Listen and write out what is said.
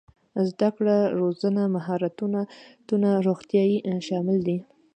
زده کړه روزنه مهارتونه روغتيا شامل دي.